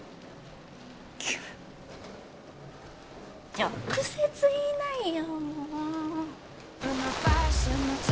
直接言いないよ